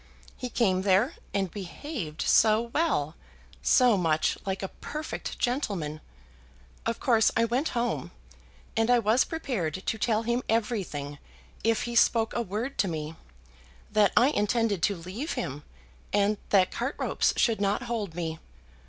He came there, and behaved so well, so much like a perfect gentleman. Of course I went home, and I was prepared to tell him everything, if he spoke a word to me, that I intended to leave him, and that cart ropes should not hold me!"